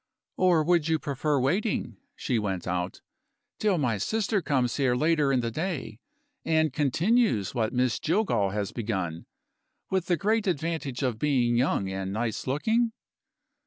"Or would you prefer waiting," she went out, "till my sister comes here later in the day, and continues what Miss Jillgall has begun, with the great advantage of being young and nice looking?"